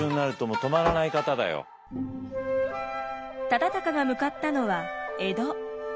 忠敬が向かったのは江戸。